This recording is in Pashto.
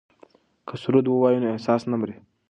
که سرود ووایو نو احساس نه مري.